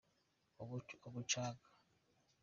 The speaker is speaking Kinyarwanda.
umucanga.